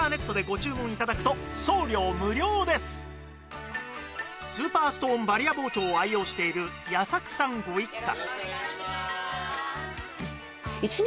しかもスーパーストーンバリア包丁を愛用している矢作さんご一家